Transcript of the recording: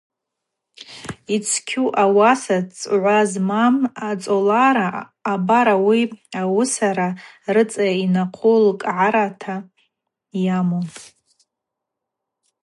Йцкьу, ауаса цӏгӏва змам ацӏолара – абар ауи йуысара рыцӏа йнахву лкӏгӏарата йаму.